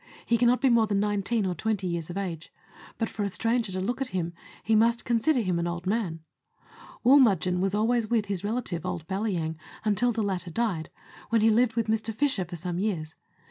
He cannot be more than nine teen or twenty years of age ; but for a stranger to look at him he must consider him an old man. Woolmudgen was always with his relative, old Balyang, until the latter died, when he lived with Mr. Fisher for some years.